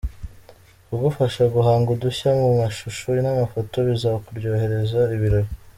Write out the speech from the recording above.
Kugufasha guhanga udushya mu mashusho n’amafoto bizakuryohereza ibirori.